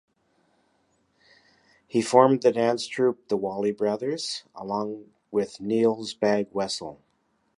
He formed the dance troupe the "Wally brothers" along with Niels Bagge-Wessel.